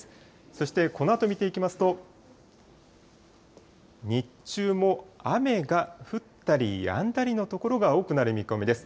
そして、このあと見ていきますと、日中も雨が降ったりやんだりの所が多くなる見込みです。